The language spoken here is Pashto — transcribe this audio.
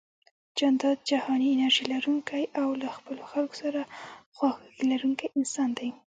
جانداد جهاني انرژي لرونکی او له خپلو خلکو سره خواخوږي لرونکی انسان دی